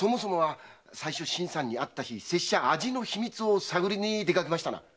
最初新さんに会った日拙者は味の秘密を探りに出かけましたな？